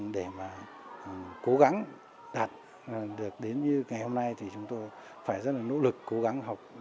để mà cố gắng đạt được đến như ngày hôm nay thì chúng tôi phải rất là nỗ lực cố gắng học